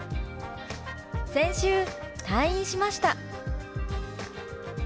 「先週退院しました」。